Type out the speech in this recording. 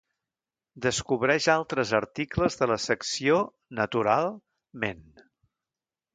Descobreix altres articles de la secció «Natural-ment».